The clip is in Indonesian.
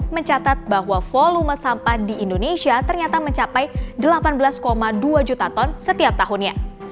mencatat bahwa volume sampah di indonesia ternyata mencapai delapan belas dua juta ton setiap tahunnya